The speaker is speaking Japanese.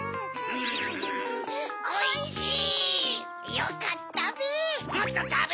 よかったべ。